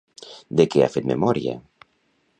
De què ha fet memòria?